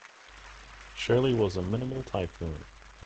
Shirley was a minimal typhoon.